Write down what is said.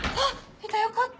いたよかった！